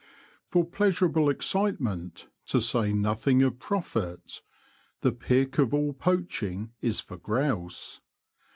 r I ^ O'R pleasurable excitement, to say nothing ^^ of profit, the pick of all poaching is for grouse.